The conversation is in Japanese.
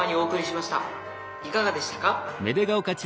いかがでしたか？